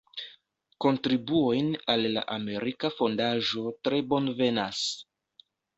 Kontribuojn al la Amerika Fondaĵo tre bonvenas!